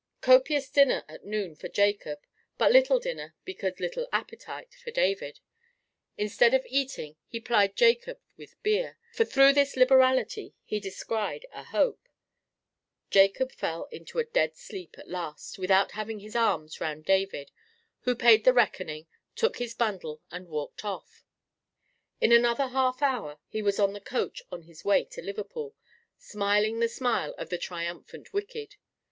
Copious dinner at noon for Jacob; but little dinner, because little appetite, for David. Instead of eating, he plied Jacob with beer; for through this liberality he descried a hope. Jacob fell into a dead sleep, at last, without having his arms round David, who paid the reckoning, took his bundle, and walked off. In another half hour he was on the coach on his way to Liverpool, smiling the smile of the triumphant wicked.